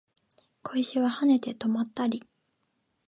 小石は跳ねて止まったり